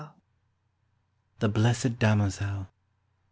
THE BLESSED DAMOZEL.